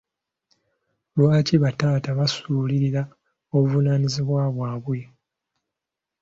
Lwaki bataata basuulirira obuvunaanyizibwa bwabwe.